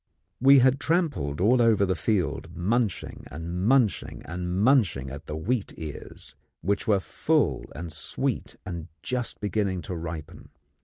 We had trampled all over the field munching and munching and munching at the wheat ears, which were full and sweet and just beginning to ripen.